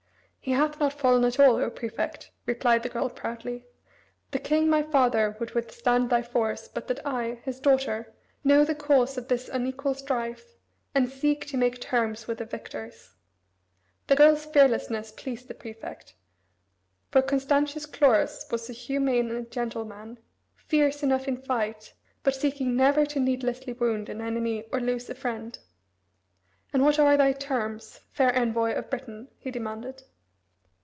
"He hath not fallen at all, O Prefect," replied the girl proudly; "the king, my father, would withstand thy force but that I, his daughter, know the cause of this unequal strife, and seek to make terms with the victors." The girl's fearlessness pleased the prefect, for Constantius Chlorus was a humane and gentle man, fierce enough in fight, but seeking never to needlessly wound an enemy or lose a friend. "And what are thy terms, fair envoy of Britain?" he demanded.